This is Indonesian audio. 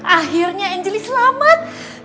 akhirnya angel li selamat